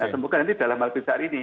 semoga nanti dalam hal besar ini